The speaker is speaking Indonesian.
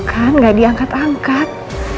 hai kan nggak diangkat angkat